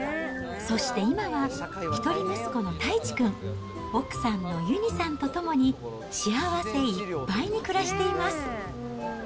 そして今は、一人息子のたいちくん、奥さんのゆにさんと共に、幸せいっぱいに暮らしています。